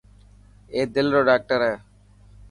اي دل رو ڊاڪٽر هي.